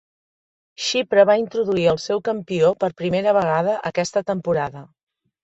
Xipre va introduir el seu campió per primera vegada aquesta temporada.